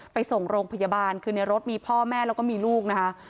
ไปส่งโรงพยาบาลคือในรถมีพ่อแม่แล้วก็มีลูกนะคะ